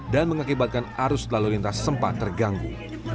dan mengakibatkan arus lalu lintas sempat terganggu